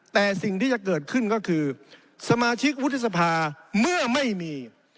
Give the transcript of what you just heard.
แต่สิ่งที่จะเกิดขึ้นก็คือสมาชิกวุฒิสภาเมื่อไม่มี